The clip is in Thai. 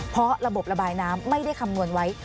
เพราะระบบระบายน้ำไม่ได้คำนวณไว้